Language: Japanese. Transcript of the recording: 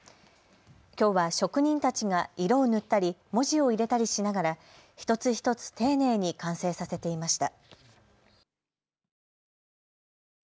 きょうは職人たちが色を塗ったり文字を入れたりしながら一つ一つ丁寧に完成させていました。